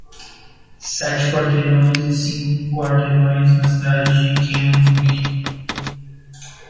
Sete quarteirões e cinco quarteirões na cidade de Keelung